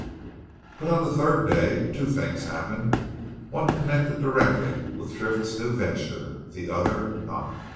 But on the third day, two things happened one connected directly with Triffitt's new venture, the other not.